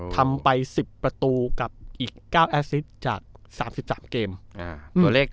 อ๋อทำไปสิบประตูกับอีกเก้าแอซิสจากสามสิบสามเกมอ่าตัวเลข